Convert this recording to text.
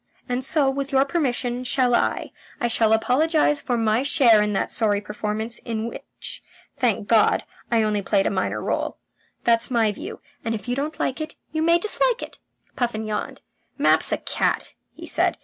And so, with your permission, shall I. I shall apologize for my share in that sorry performance, in which, thank God, I only played a minor role. That's my view, and if you don't like it, you may dislike it." Puffin yawned. "Mapp's a cat," he said.